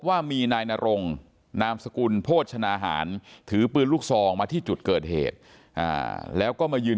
ว่ามีนายนรงนามสกุลโภชนาหารถือปืนลูกซองมาที่จุดเกิดเหตุแล้วก็มายืน